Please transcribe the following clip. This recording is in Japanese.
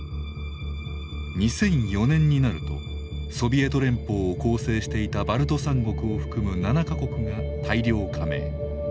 ２００４年になるとソビエト連邦を構成していたバルト３国を含む７か国が大量加盟。